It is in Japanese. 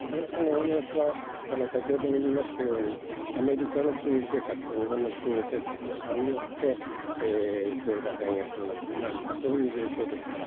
円安は先ほども言いましたが要するにアメリカの金融政策と日本の金融政策の差によってドル高・円安になっているというそういう状況ですから。